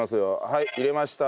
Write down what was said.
はい入れました。